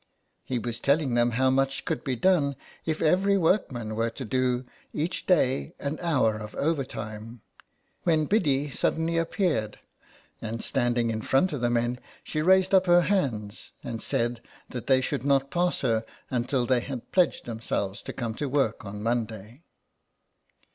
He was telling them how much could be done if every workman were to do each day an hour of overtime, when Biddy suddenly appeared, and, standing in front of the men, she raised up her hands and said that they should not pass her until they had pledged themselves to come to work on Monday.